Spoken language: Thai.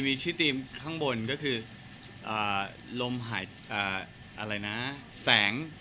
มีชื่อตรีข้างบนก็คือ